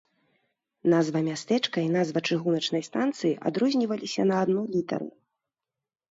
Назва мястэчка і назва чыгуначнай станцыі адрозніваліся на адну літару.